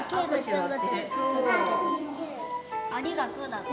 「ありがとう」だって。